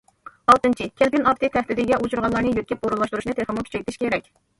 ئالتىنچى، كەلكۈن ئاپىتى تەھدىتىگە ئۇچرىغانلارنى يۆتكەپ ئورۇنلاشتۇرۇشنى تېخىمۇ كۈچەيتىش كېرەك.